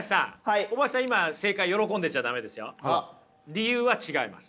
理由は違います。